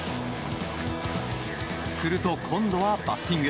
すると、今度はバッティング。